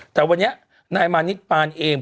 แต่วันนี้นายมานิดปานเอง